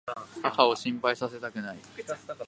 母を心配させたくない。